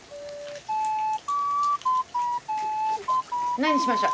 何にしましょう？